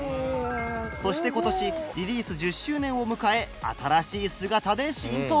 そして今年リリース１０周年を迎え新しい姿で新登場。